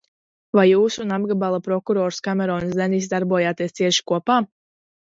Vai jūs un apgabala prokurors Kamerons Deniss darbojāties cieši kopā?